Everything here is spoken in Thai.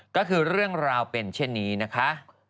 ก็คือเรื่องราวเป็นเช่นนี้นะคะ